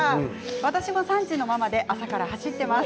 私も３児のママで朝から走っています。